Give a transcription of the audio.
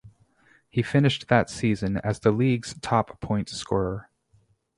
He finished that season as the League's top point scorer.